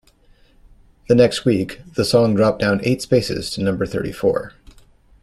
The next week, the song dropped down eight spaces to number thirty-four.